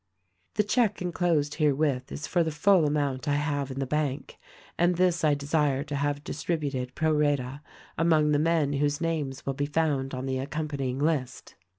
"The check enclosed herewith is for the full amount 1 have in the bank ; and this I desire to have distributed pro rata among the men whose names will be found on the accompanying list.